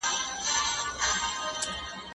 کار د زده کوونکي له خوا کيږي؟!